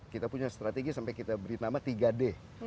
kita punya strategi sampai kita beri nama tiga d